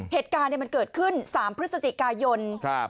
เหตุการณ์มันเกิดขึ้น๓พฤศจิกายน